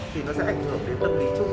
thì nó sẽ ảnh hưởng đến tâm lý chung